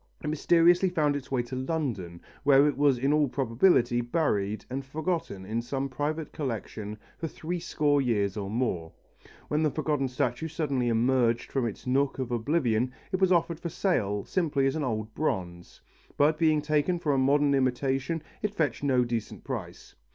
It mysteriously found its way to London, where it was in all probability buried and forgotten in some private collection for three score years or more. When the forgotten statue suddenly emerged from its nook of oblivion it was offered for sale simply as an old bronze, but being taken for a modern imitation it fetched no decent price.